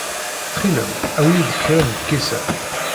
Ttxil-m, awi-iyi-d kra n lkisan.